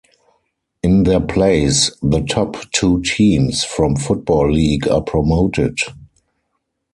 In their place, the top two teams from Football League are promoted.